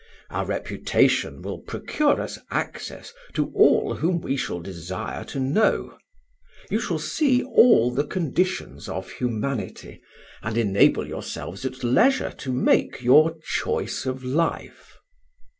Our reputation will procure us access to all whom we shall desire to know; you shall see all the conditions of humanity, and enable yourselves at leisure to make your choice of life."